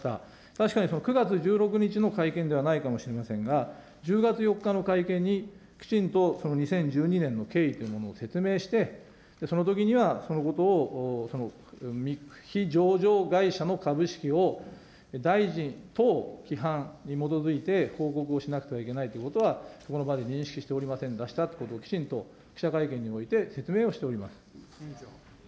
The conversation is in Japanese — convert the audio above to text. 確かにその９月１６日の会見ではないかもしれませんが、１０月４日の会見に、きちんとその２０１２年の経緯というものを説明して、そのときには、そのことを、非上場会社の株式を大臣等規範に基づいて報告をしなくてはいけないということは、ここの場で認識しておりませんでしたということをきちんと記者会見において説明をしております。